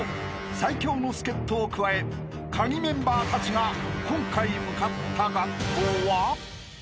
最強の助っ人を加えカギメンバーたちが今回向かった学校は］